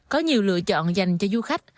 có nhiều lựa chọn dành cho du khách